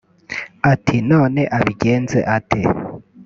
ati none abigenze ate